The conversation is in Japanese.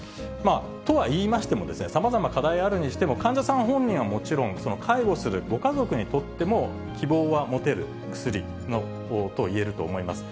とはいいましても、さまざま課題あるにしても、患者さん本人はもちろん、介護するご家族にとっても、希望は持てる薬といえると思います。